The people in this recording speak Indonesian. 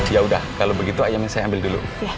ya udah kalau begitu ayamnya saya ambil dulu